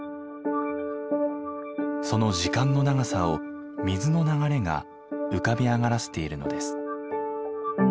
その時間の長さを水の流れが浮かび上がらせているのです。